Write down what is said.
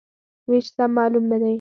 وېش سم معلوم نه دی.